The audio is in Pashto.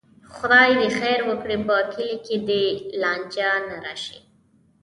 خدای دې خیر وکړي، په کلي کې دې لانجه نه راشي.